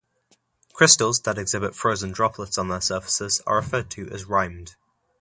Crystals that exhibit frozen droplets on their surfaces are referred to as rimed.